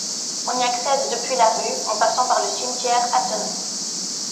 On y accède depuis la rue en passant par le cimetière attenant.